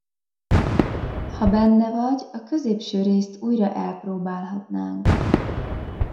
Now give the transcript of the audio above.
Ha benne vagy, a középső részt újra elpróbálhatnánk.